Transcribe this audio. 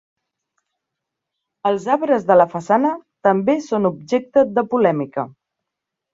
Els arbres de la façana també són objecte de polèmica.